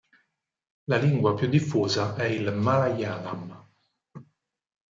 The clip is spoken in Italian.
La lingua più diffusa è il Malayalam.